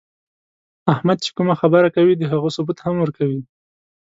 احمد چې کومه خبره کوي، د هغو ثبوت هم ورکوي.